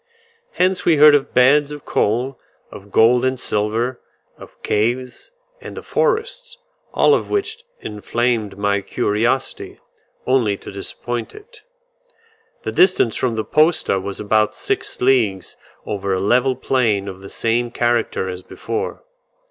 Hence we heard of beds of coal, of gold and silver, of caves, and of forests, all of which inflamed my curiosity, only to disappoint it. The distance from the posta was about six leagues over a level plain of the same character as before.